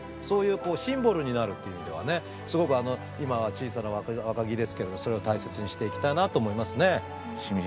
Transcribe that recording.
そういう、シンボルになるという意味では、今は小さな若木ですがそれを大切にしていきたいなと思いますね。